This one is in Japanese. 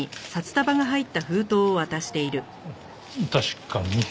確かに。